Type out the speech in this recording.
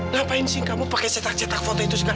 ngapain sih kamu pakai cetak cetak foto itu sekarang